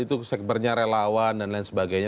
itu sekbernya relawan dan lain sebagainya